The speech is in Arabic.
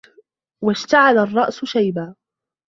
وَاشْتَعَلَ الرَّأْسُ شَيْبًا